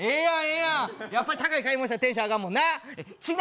やっぱり高い買い物したらテンション上がるもんな。